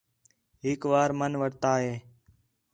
ہِک وار من وٹھتا ہیں